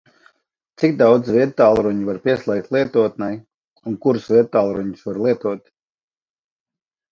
Cik daudz viedtālruņu var pieslēgt lietotnei? Un kurus viedtālruņus var lietot?